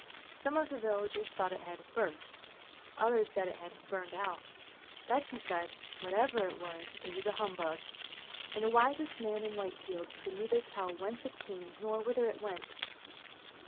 Some of the villagers thought it had "burst," others that it had "burned out." Betsy said: "Whatever it was, it was a humbug;" and the wisest man in Whitefield could neither tell whence it came nor whither it went.